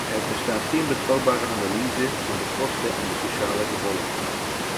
Er bestaat geen betrouwbare analyse van de kosten en de sociale gevolgen.